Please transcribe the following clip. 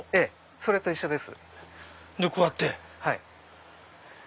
それと一緒です。